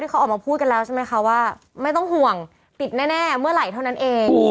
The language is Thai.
เขาออกมาพูดกันแล้วใช่ไหมคะว่าไม่ต้องห่วงติดแน่เมื่อไหร่เท่านั้นเอง